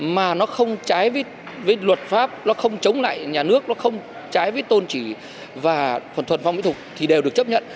mà nó không trái với luật pháp nó không chống lại nhà nước nó không trái với tôn trị và thuần thuần phong mỹ tục thì đều được chấp nhận